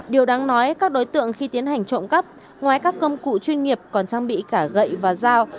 điều đáng nói các đối tượng khi tiến hành trộm cắp ngoài các công cụ chuyên nghiệp còn trang bị cả gậy và dao